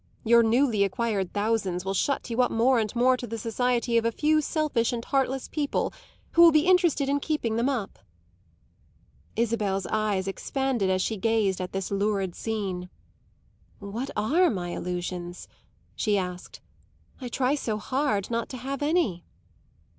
Your newly acquired thousands will shut you up more and more to the society of a few selfish and heartless people who will be interested in keeping them up." Isabel's eyes expanded as she gazed at this lurid scene. "What are my illusions?" she asked. "I try so hard not to have any."